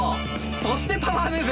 そしてパワームーブ。